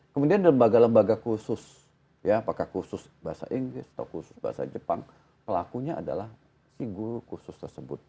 kemudian di lembaga lembaga kursus ya apakah kursus bahasa inggris atau kursus bahasa jepang pelakunya adalah guru kursus tersebut